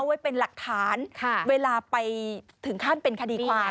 ไว้เป็นหลักฐานเวลาไปถึงขั้นเป็นคดีความ